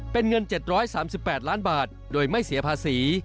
เป็นเงิน๗๓๘ล้านบาทโดยไม่เสียภาษี